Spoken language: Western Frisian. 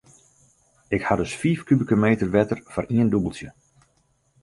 Ik ha dus fiif kubike meter wetter foar ien dûbeltsje.